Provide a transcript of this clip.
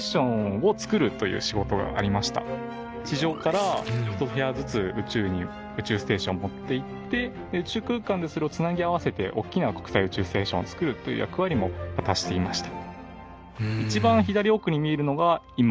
地上からひと部屋ずつ宇宙に宇宙ステーションに持っていって宇宙空間でそれを繋ぎ合わせて大きな国際宇宙ステーションを作るという役割も果たしていました。